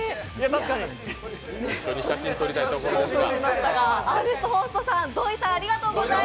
一緒に写真撮りたいところですが。